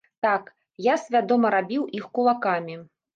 Так, я свядома рабіў іх кулакамі.